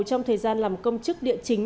trong thời gian làm công chức địa chính